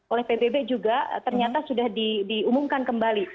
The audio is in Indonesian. oleh pbb juga ternyata sudah diumumkan kembali